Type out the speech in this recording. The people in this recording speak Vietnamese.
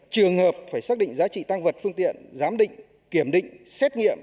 trường hợp phải xác định giá trị tăng vật phương tiện giám định kiểm định xét nghiệm